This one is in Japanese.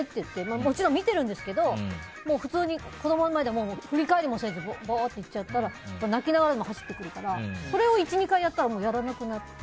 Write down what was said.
もちろん、見てますけど普通に子供の前で振り返りもせず行っちゃったら泣きながらでも走ってくるからそれを１２回やったらやらなくなった。